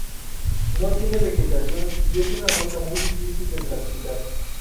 No tiene vegetación y es una roca muy difícil de transitar.